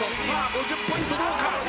５０ポイントどうか？